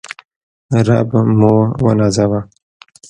رب موونازوه